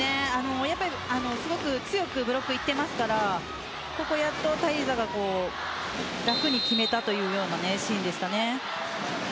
すごく強くブロックにいっていますからここでやっとタイーザが楽に決めたというようなシーンでした。